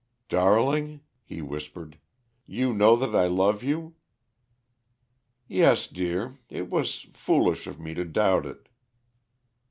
"Darling," he whispered, "you know that I love you?" "Yes, dear, it was foolish of me to doubt it."